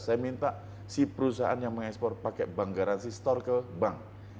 saya minta si perusahaan yang mengekspor pakai bank garansi store ke bank